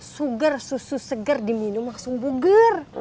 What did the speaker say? suger susu seger diminum langsung buger